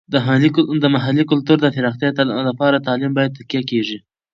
د محلي کلتور د پراختیا لپاره تعلیم باندې تکیه کیږي.